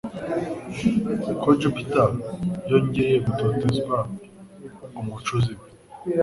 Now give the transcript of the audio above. Ko Jupiter yongeye gutoteza umucuzi we